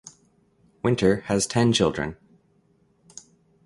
Winter has ten children.